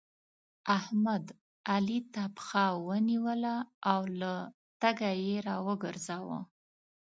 احمد؛ علي ته پښه ونيوله او له تګه يې راوګرځاوو.